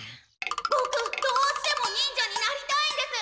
ボクどうしても忍者になりたいんです！